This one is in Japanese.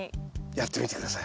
やってみて下さい。